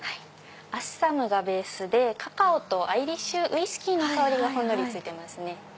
アッサムがベースでカカオとアイリッシュウイスキーの香りがほんのりついてますね。